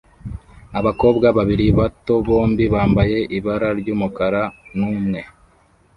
Abakobwa babiri bato bombi bambaye ibara ry'umukara n'umwe